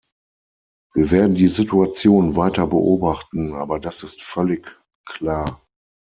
Wir werden die Situation weiter beobachten, aber das ist völlig klar.